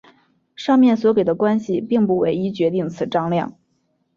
上面所给的关系并不唯一决定此张量。